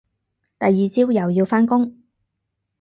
第二朝又要返工